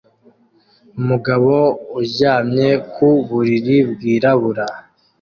Umugabo uryamye ku buriri bwirabura